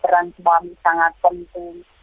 peran suami sangat penting